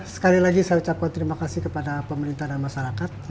sekali lagi saya ucapkan terima kasih kepada pemerintah dan masyarakat